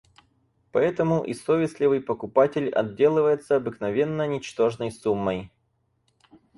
Поэтому и совестливый покупатель отделывается обыкновенно ничтожной суммой.